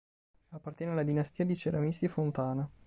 Appartiene alla dinastia di ceramisti Fontana.